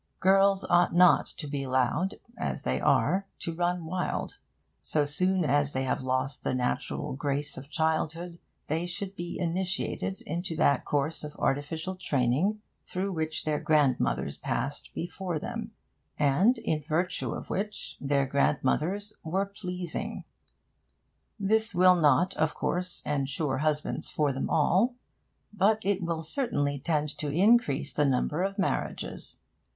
Girls ought not to be allowed, as they are, to run wild. So soon as they have lost the natural grace of childhood, they should be initiated into that course of artificial training through which their grandmothers passed before them, and in virtue of which their grandmothers were pleasing. This will not, of course, ensure husbands for them all; but it will certainly tend to increase the number of marriages.